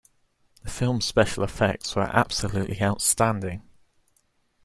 The film's special effects were absolutely outstanding.